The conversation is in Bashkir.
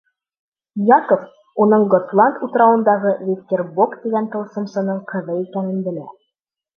Яков уның Готланд утрауындағы Веттербок тигән тылсымсының ҡыҙы икәнен белә.